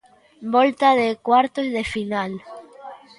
Volta de cuartos de final.